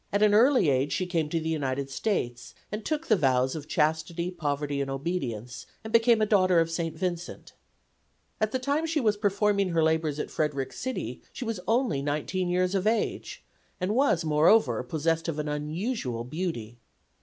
At an early age she came to the United States and took the vows of Chastity, Poverty and Obedience, and became a daughter of St. Vincent. At the time she was performing her labors at Frederick City she was only 19 years of age, and was, moreover, possessed of unusual beauty.